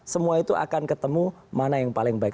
semua itu akan ketemu mana yang paling baik